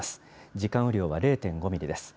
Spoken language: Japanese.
時間雨量は０．５ミリです。